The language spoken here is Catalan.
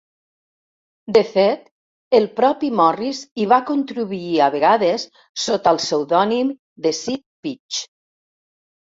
De fet, el propi Morris hi va contribuir a vegades, sota el pseudònim de "Sid Peach".